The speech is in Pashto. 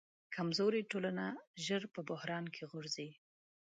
کمزورې ټولنه ژر په بحران کې غورځي.